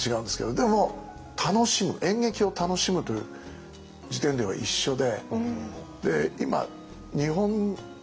でも楽しむ演劇を楽しむという時点では一緒で。